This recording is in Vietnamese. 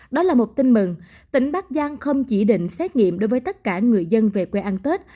đó là một tin mừng tỉnh bắc giang không chỉ định xét nghiệm đối với tất cả người dân về quê ăn tết